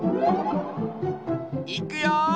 いくよ。